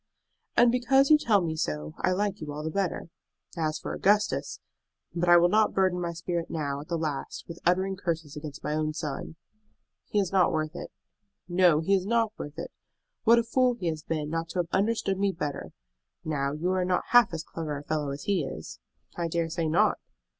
"And because you tell me so I like you all the better. As for Augustus But I will not burden my spirit now, at the last, with uttering curses against my own son." "He is not worth it." "No, he is not worth it. What a fool he has been not to have understood me better! Now, you are not half as clever a fellow as he is." "I dare say not."